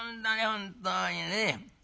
本当にね。